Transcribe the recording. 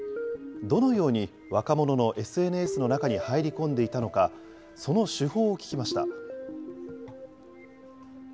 どのように若者のＳＮＳの中に入り込んでいたのか、その手法を聞きました。